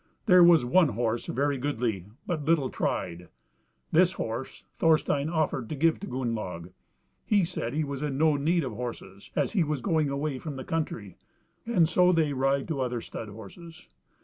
There was one horse very goodly, but little tried: this horse Thorstein offered to give to Gunnlaug. He said he was in no need of horses, as he was going away from the country; and so they ride to other stud horses.